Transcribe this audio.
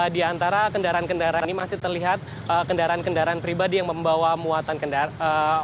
di antara kendaraan kendaraan ini masih terlihat kendaraan kendaraan pribadi yang membawa muatan kendaraan